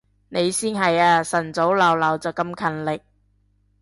你先係啊，晨早流流就咁勤力